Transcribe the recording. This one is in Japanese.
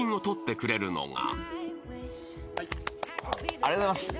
ありがとうございます。